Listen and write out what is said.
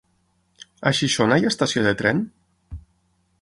A Xixona hi ha estació de tren?